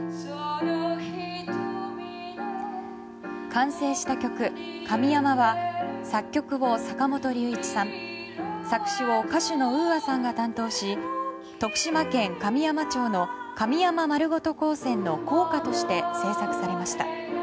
完成した曲「ＫＡＭＩＹＡＭＡ」は作曲を坂本龍一さん作詞を歌手のＵＡさんが担当し徳島県神山町の神山まるごと高専の校歌として制作されました。